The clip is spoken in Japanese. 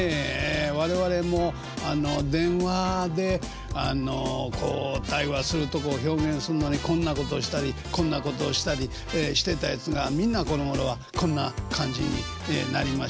我々も電話であのこう対話するとこを表現するのにこんなことしたりこんなことをしたりしてたやつがみんなこのごろはこんな感じになりましてね